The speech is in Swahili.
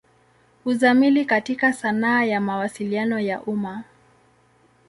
Uzamili katika sanaa ya Mawasiliano ya umma.